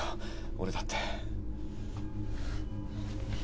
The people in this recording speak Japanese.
俺だって。